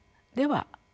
では